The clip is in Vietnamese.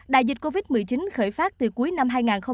đại dịch covid một mươi chín khởi phát từ cuối năm hai nghìn một mươi chín